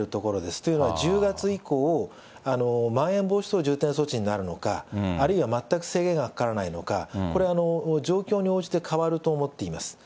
というのは、１０月以降、まん延防止等重点措置になるのか、あるいは全く制限がかからないのか、これ、状況に応じて変わると思っています。